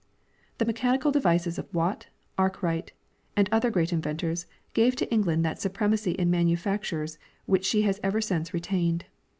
The mechanical devices of Watt, Arkwright, and other great inventors gave to England that supremacy in manufactures which she has ever since retained.